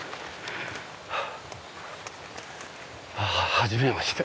はじめまして。